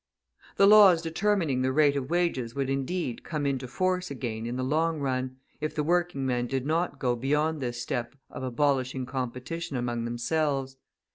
The laws determining the rate of wages would, indeed, come into force again in the long run, if the working men did not go beyond this step of abolishing competition among themselves.